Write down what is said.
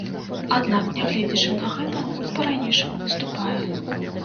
Аднак нягледзячы на гэта гурт па-ранейшаму выступае.